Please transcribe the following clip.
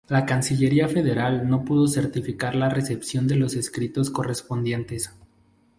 La Cancillería Federal no pudo certificar la recepción de los escritos correspondientes.